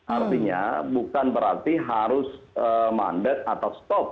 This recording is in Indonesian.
artinya bukan berarti harus mandet atau stop